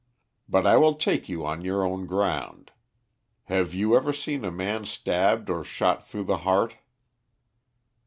But I will take you on your own ground. Have you ever seen a man stabbed or shot through the heart?"